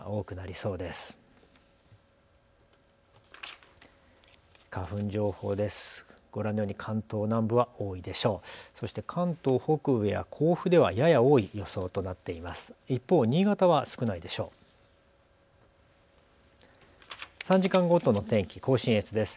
そして関東北部や甲府ではやや多い予想となっています。